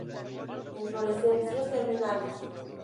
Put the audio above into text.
Inflorescencias terminales.